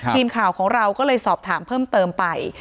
ทีมข่าวของเราก็เลยสอบถามเพิ่มเติมไป